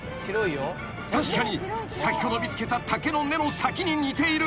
［確かに先ほど見つけた竹の根の先に似ている］